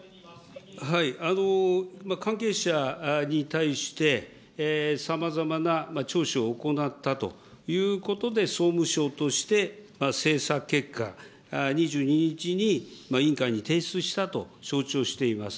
関係者に対して、さまざまなちょうしゅを行ったということで、総務省として精査結果、２２日に委員会に提出したと承知をしております。